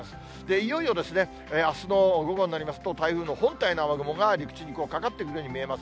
いよいよ、あすの午後になりますと、台風の本体の雨雲が陸地にかかってくるように見えます。